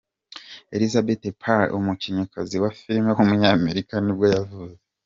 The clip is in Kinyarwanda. Elizabeth Perkins, umukinnyikazi wa filime w’umunyamerika nibwo yavutse.